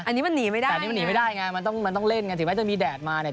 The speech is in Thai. อันนี้มันหนีไม่ได้แต่อันนี้มันหนีไม่ได้ไงมันต้องมันต้องเล่นไงถึงแม้จะมีแดดมาเนี่ย